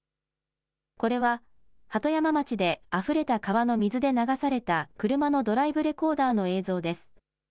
これは鳩山町であふれた川の水で流された車のドライブレコーダーの映像です。